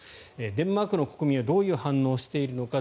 デンマークの国民はどういう反応をしているのか。